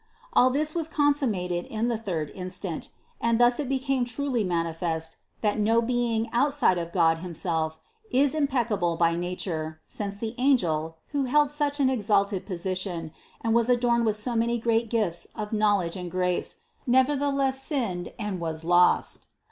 All this was con summated in the third instant, and thus it became truly manifest that no being outside of God himself is im peccable by nature, since the angel, who held such an THE CONCEPTION 87 exalted position and was adorned with so many great gifts of knowledge and grace, nevertheless sinned and was lost.